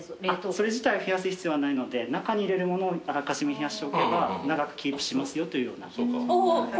それ自体を冷やす必要はないので中に入れるものをあらかじめ冷やしておけば長くキープしますよという。